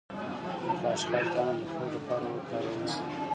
د خشخاش دانه د خوب لپاره وکاروئ